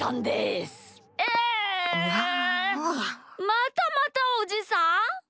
またまたおじさん？